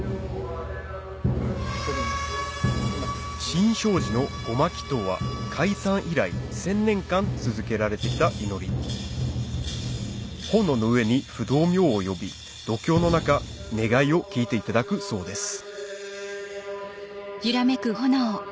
新勝寺の護摩祈祷は開山以来１０００年間続けられてきた祈り炎の上に不動明王を呼び読経の中願いを聞いていただくそうです